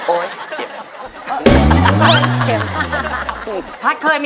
โอ๊ยเจ็บ